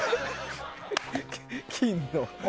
金の。